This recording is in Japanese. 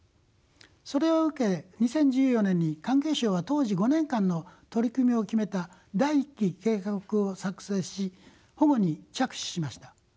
それを受け２０１４年に環境省は当時５年間の取り組みを決めた第一期計画を作成し保護に着手しました。